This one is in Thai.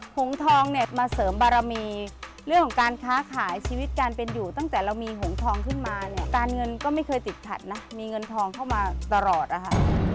หงทองเนี่ยมาเสริมบารมีเรื่องของการค้าขายชีวิตการเป็นอยู่ตั้งแต่เรามีหงทองขึ้นมาเนี่ยการเงินก็ไม่เคยติดขัดนะมีเงินทองเข้ามาตลอดอะค่ะ